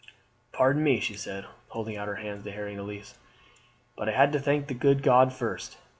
"Pardon me," she said, holding out her hands to Harry and Elise, "but I had to thank the good God first.